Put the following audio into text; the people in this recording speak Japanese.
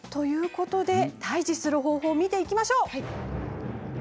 退治する方法を見ていきましょう。